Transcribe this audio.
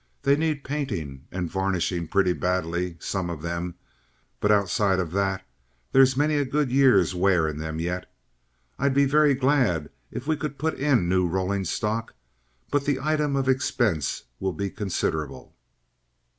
They need painting and varnishing pretty badly, some of them, but outside of that there's many a good year's wear in them yet. I'd be very glad if we could put in new rolling stock, but the item of expense will be considerable.